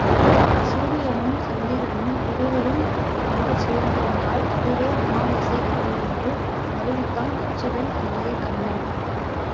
சூரியனும் சந்திரனும் இருவரும் அங்குச்சேர்ந்ததால் அதுவே அமாவாசை தினம் என்று அறிவித்தான் அச்சுதன் ஆகிய கண்ணன்.